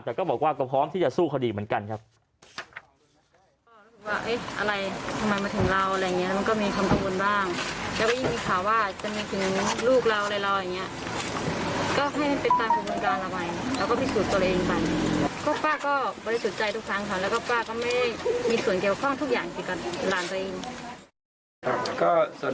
แต่ก็บอกว่าก็พร้อมที่จะสู้คดีเหมือนกันครับ